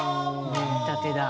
見立てだ。